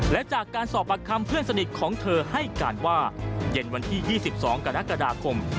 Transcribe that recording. และจากการสอบปากคำเพื่อนสนิทของเธอให้การว่าเย็นวันที่๒๒กรกฎาคม